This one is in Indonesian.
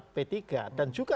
p tiga dan juga